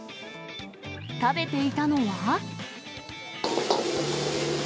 食べていたのは。